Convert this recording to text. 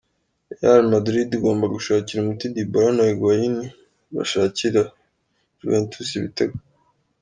Real Madrid igomba gushakira umuti Dybala na Huguain bashakira Juventus ibitego.